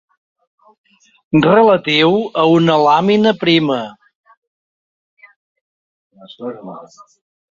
Relatiu a una làmina prima.